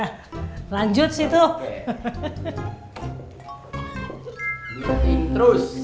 nah lanjut sih tuh